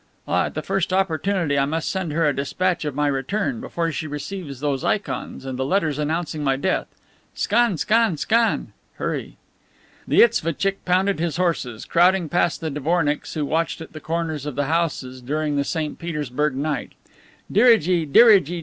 Ah, at the first opportunity I must send her a dispatch of my return before she receives those ikons, and the letters announcing my death. Scan! Scan! Scan! (Hurry!)" The isvotchick pounded his horses, crowding past the dvornicks who watched at the corners of the houses during the St. Petersburg night. "Dirigi! dirigi!